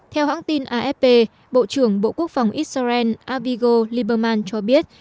theo hãng tin afp bộ trưởng bộ quốc phòng israel abigo lieberman cho biết